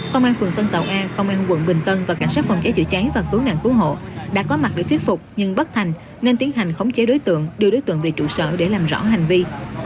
công an phường tân tàu a công an quận bình tân và cảnh sát phòng cháy chữa cháy và cứu nạn cứu hộ đã có mặt để thuyết phục nhưng bất thành nên tiến hành khống chế đối tượng đưa đối tượng về trụ sở để làm rõ hành vi